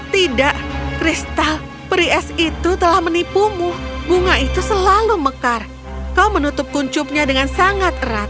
tidak kristal peri es itu telah menipumu bunga itu selalu mekar kau menutup kuncupnya dengan sangat erat